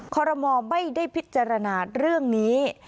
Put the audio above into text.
คอรมอลไม่ได้พิจารณาเรื่องนี้